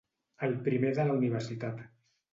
El primer de la universitat.